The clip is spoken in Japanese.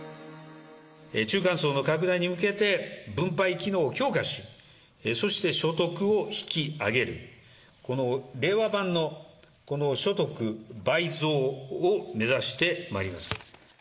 中間層の拡大に向けて分配機能を強化し、そして所得を引き上げる、この令和版の所得倍増を目指してまいります。